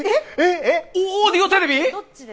オーディオテレビ？